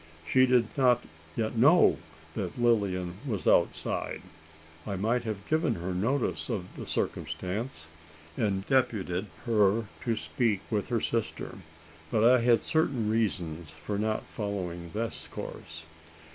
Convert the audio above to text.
She did not yet know that Lilian was outside. I might have given her notice of the circumstance, and deputed her to speak with her sister; but I had certain reasons for not following this course.